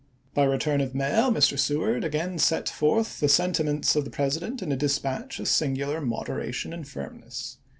By return of mail Mr. Seward again set forth the sentiments of the President in a dispatch of singular moderation and firmness.